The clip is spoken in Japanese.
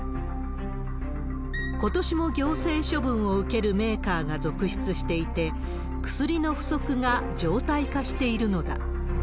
ことしも行政処分を受けるメーカーが続出していて、薬の不足が常態化しているのだ。